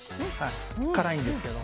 辛いんですけど。